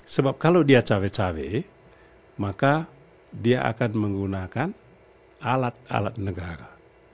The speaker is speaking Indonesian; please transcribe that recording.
sebab kalau dia cawe cawe maka dia akan menggunakan alat alat negara